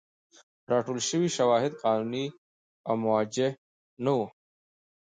راټول شوي شواهد قانوني او موجه نه وو.